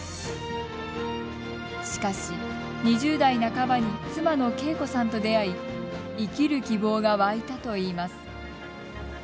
しかし、２０代半ばに妻の恵子さんと出会い生きる希望が湧いたといいます。